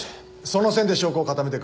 その線で証拠を固めてくれ。